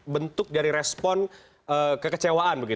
bentuk dari respon kekecewaan